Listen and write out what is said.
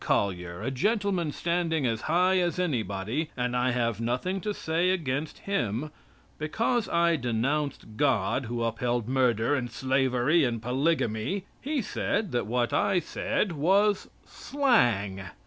Collyer, a gentleman standing as high as anybody, and I have nothing to say against him because I denounced God who upheld murder, and slavery and polygamy, he said that what I said was slang.